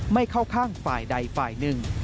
ไม่เข้าข้างฝ่ายใดฝ่ายหนึ่ง